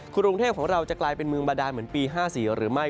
กรุงเทพของเราจะกลายเป็นเมืองบาดานเหมือนปี๕๔หรือไม่